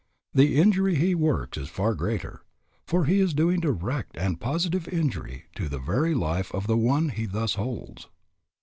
The injury he works is far greater, for he is doing direct and positive injury to the very life of the one he thus holds.